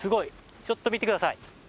ちょっと見てください。